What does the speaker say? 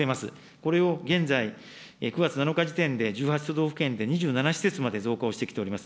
これを現在９月７日時点で、１８都道府県で２７施設まで増加をしてきております。